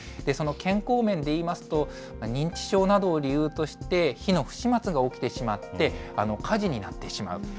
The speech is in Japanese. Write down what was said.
その健康面でいいますと、認知症などを理由として、火の不始末が起きてしまって、火事になってしまう。